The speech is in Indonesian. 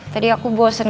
tadi aku bosen